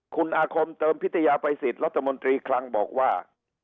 คุณอาคมเติมพิทยาภัยสิทธิ์รัฐมนตรีคลังบอกว่า